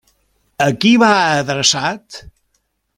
A qui va adreçat?